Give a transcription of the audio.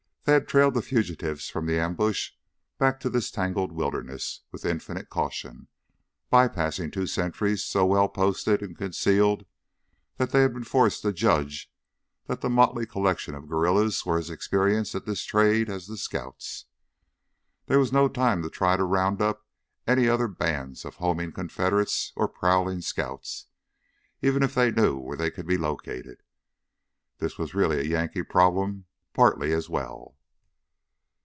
They had trailed the fugitives from the ambush back to this tangled wilderness with infinite caution, bypassing two sentries so well posted and concealed they had been forced to judge that the motley collection of guerrillas were as experienced at this trade as the scouts. There was no time to try to round up any other bands of homing Confederates or prowling scouts, even if they knew where they could be located. This was really a Yankee problem partly as well.